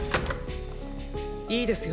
いいですよ